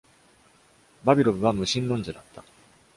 バビロブは無神論者だった。